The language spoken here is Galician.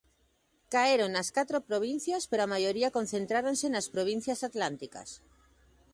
Caeron nas catro provincias, pero a maioría concentráronse nas provincias atlánticas.